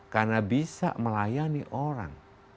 karena bisa melayani orang